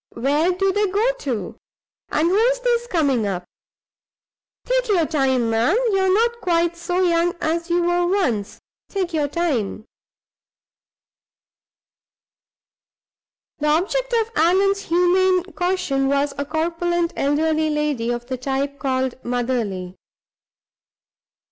Where do they go to? and who's this coming up? Take your time, ma'am; you're not quite so young as you were once take your time." The object of Allan's humane caution was a corpulent elderly woman of the type called "motherly."